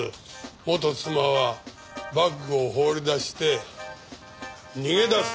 元妻はバッグを放り出して逃げ出す。